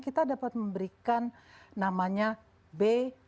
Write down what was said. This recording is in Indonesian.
kita dapat memberikan namanya b